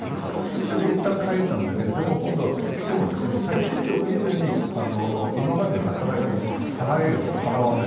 それでいったん帰ったんだけど今度は、来ても今まで働いた分を払えよと言っても払わない。